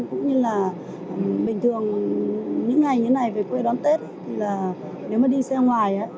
cũng như là bình thường những ngày như này về quê đón tết thì là nếu mà đi xe ngoài